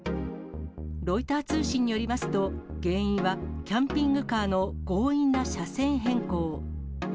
ロイター通信によりますと、原因はキャンピングカーの強引な車線変更。